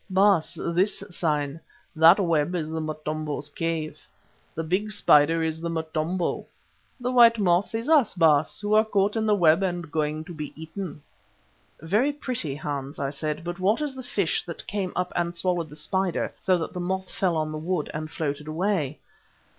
"Baas, this sign: That web is the Motombo's cave. The big spider is the Motombo. The white moth is us, Baas, who are caught in the web and going to be eaten." "Very pretty, Hans," I said, "but what is the fish that came up and swallowed the spider so that the moth fell on the wood and floated away?"